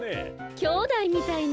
きょうだいみたいね。